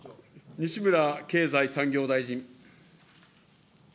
西村経済産業大臣。